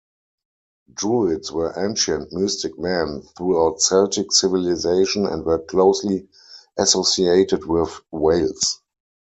Druids were ancient mystic men throughout Celtic civilisation and were closely associated with Wales.